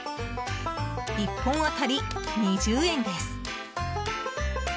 １本当たり２０円です。